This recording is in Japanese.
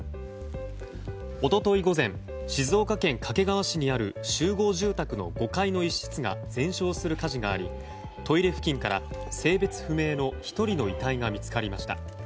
一昨日午前、静岡県掛川市にある集合住宅の５階の一室が全焼する火事がありトイレ付近から性別不明の１人の遺体が見つかりました。